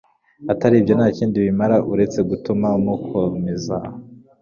atari byo nta kindi bimara uretse gutuma mukomeza